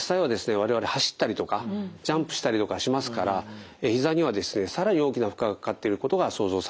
我々走ったりとかジャンプしたりとかしますからひざにはですね更に大きな負荷がかかっていることが想像されます。